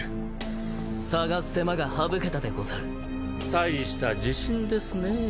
大した自信ですねぇ。